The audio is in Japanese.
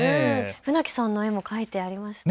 船木さんの絵も描いてありましたね。